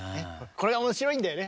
これが面白いんだよね。